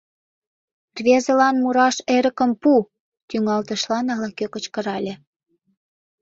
Рвезылан мураш эрыкым пу! — тӱҥалтышлан ала-кӧ кычкырале.